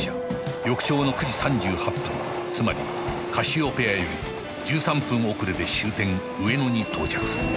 翌朝の９時３８分つまりカシオペアより１３分遅れで終点上野に到着する